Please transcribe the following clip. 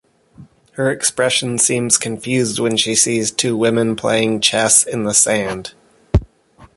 Her expression seems confused when she sees two women playing chess in the sand.